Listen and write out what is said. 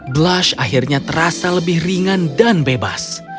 blush akhirnya terasa lebih ringan dan bebas